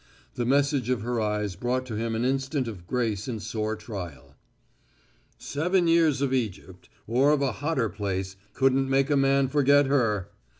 The message of her eyes brought to him an instant of grace in sore trial. "Seven years of Egypt or of a hotter place couldn't make a man forget her!"